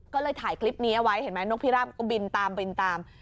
ก็เลยถ่ายคลิปนี้ไว้เห็นไหมนกพิราบก็บินตาม